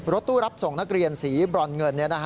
ตู้รับส่งนักเรียนสีบรอนเงิน